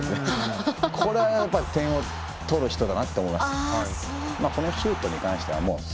これはやっぱり点を取る人だなと思います。